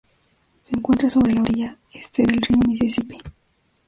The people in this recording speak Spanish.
Se encuentra sobre la orilla este del río Misisipi.